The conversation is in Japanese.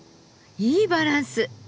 いいバランス。